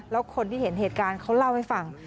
แล้วคนที่เห็นเหตุการณ์เขาเล่าให้ฟัง